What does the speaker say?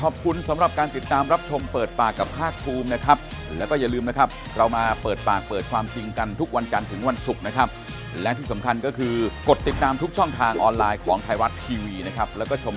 ว่าไปตามระบบครับผมอย่าไปฝืนนะครับ